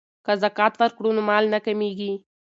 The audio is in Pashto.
که زکات ورکړو نو مال نه کمیږي.